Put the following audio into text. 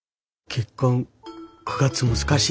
結婚９月難しい。